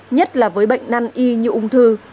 nhất là với bệnh năn y như ung thư